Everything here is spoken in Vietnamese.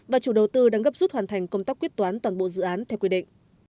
và chủ đầu tư đang gấp rút hoàn thành công tác quyết toán toàn bộ dự án theo quy định